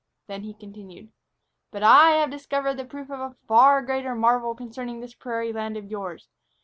Then he continued. "But I have discovered the proof of a far greater marvel concerning this prairie land of yours.